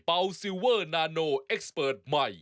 เป่าซิลเวอร์นาโนเอกสเปิร์ทใหม่